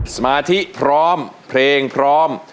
สมาธิพร้อมเพลงพร้อม